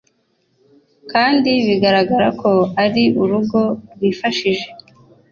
kandi bigaraga ko ari urugo rwifashije.